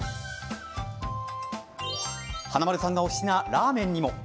華丸さんがお好きなラーメンにも。